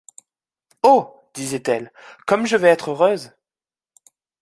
Oh! disait-elle, comme je vais être heureuse !